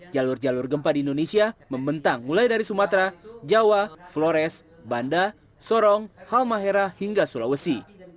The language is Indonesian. jalur jalur gempa di indonesia membentang mulai dari sumatera jawa flores banda sorong halmahera hingga sulawesi